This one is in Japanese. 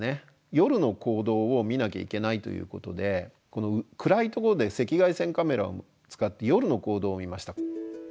夜の行動を見なきゃいけないということで暗いところで赤外線カメラを使って夜の行動を見ました。